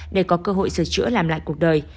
để có cơ hội sửa chữa làm lại cuộc đời